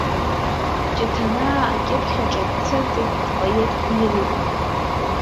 Ҷыҭанаа акьыԥхь аҿы дцәырҵит дпоет-лирикны.